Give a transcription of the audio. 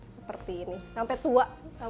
seperti ini sampai tua